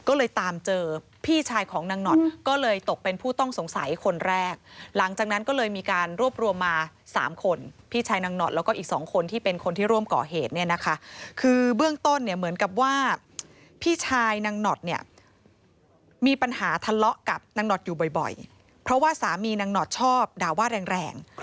ก็เลยตามเจอพี่ชายของนางหนอดก็เลยตกเป็นผู้ต้องสงสัยคนแรกหลังจากนั้นก็เลยมีการรวบรวมมา๓คนพี่ชายนางหนอดแล้วก็อีกสองคนที่เป็นคนที่ร่วมก่อเหตุเนี่ยนะคะคือเบื้องต้นเนี่ยเหมือนกับว่าพี่ชายนางหนอดเนี่ยมีปัญหาทะเลาะกับนางหนอดอยู่บ่อยเพราะว่าสามีนางหนอดชอบด่าว่าแรงแรง